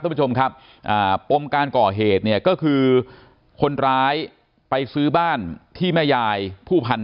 ท่านผู้ชมครับปมการก่อเหตุเนี่ยก็คือคนร้ายไปซื้อบ้านที่แม่ยายผู้พันธ